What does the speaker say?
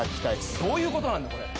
どういうことなんだこれ。